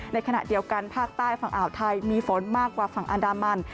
ในขณะเดียวกันภาคใต้ฝั่งอ่าวไทยมีฝนมากกว่าฝั่งอันดามัน